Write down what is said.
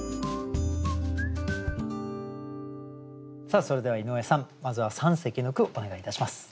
さあそれでは井上さんまずは三席の句をお願いいたします。